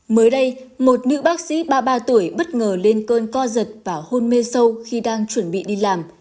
mới đây một nữ bác sĩ ba mươi ba tuổi bất ngờ lên cơn co giật và hôn mê sâu khi đang chuẩn bị đi làm